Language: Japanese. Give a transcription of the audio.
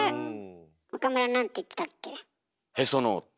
岡村なんて言ってたっけ？